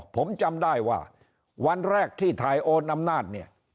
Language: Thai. ผมจำได้ว่าวันแรกที่ถ่ายโอนอำนาจเนี่ย